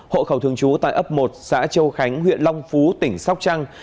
hộ khẩu thường trú tại ấp một xã châu khánh huyện long phú tỉnh sóc trăng